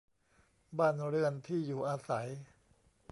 บ้านเรือนที่อยู่อาศัย